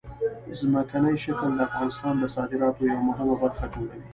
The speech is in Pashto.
ځمکنی شکل د افغانستان د صادراتو یوه مهمه برخه جوړوي.